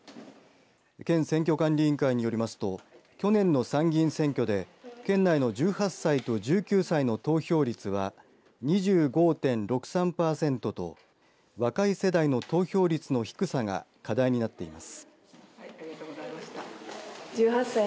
県選挙管理委員会によりますと去年の参議院選挙で県内の１８歳と１９歳の投票率は２５．６３パーセントと若い世代の投票率の低さが課題になっています。